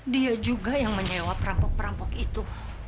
dia juga yang menyewa perampok perampok itu